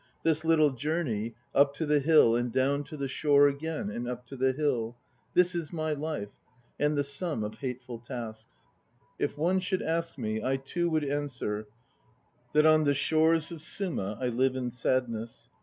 This little journey, up to the hill And down to the shore again, and up to the hill, This is my life, and the sum of hateful tasks. If one should ask me I too 2 would answer That on the shores of Suma I live in sadness.